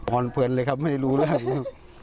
มองอ้อนเพือนเลยครับไม่รู้เรื่องนี้